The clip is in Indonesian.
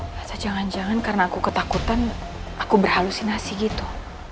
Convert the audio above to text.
rasa jangan jangan karena aku ketakutan aku berhalusinasi gitu